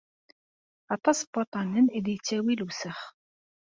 Aṭas n waṭṭanen i d-ittawi lewsex.